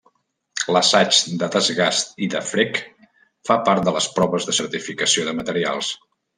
L'assaig de desgast i de frec fa part de les proves de certificació de materials.